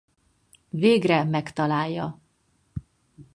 Végre megtalálja.